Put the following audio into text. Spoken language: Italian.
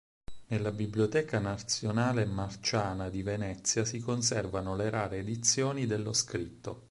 Nella Biblioteca nazionale Marciana di Venezia si conservano le rare edizioni dello scritto.